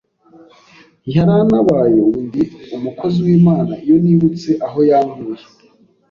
Yarantabaye ubu ndi umukozi w’Imana, iyo nibutse aho yankuye,